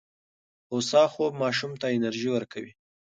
هوسا خوب ماشوم ته انرژي ورکوي.